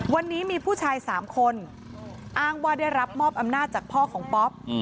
วันนี้มีผู้ชาย๓คนอ้างว่าได้รับมอบอำนาจจากพ่อของป๊อป